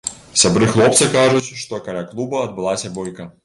Сябры хлопца кажуць, што каля клуба адбылася бойка.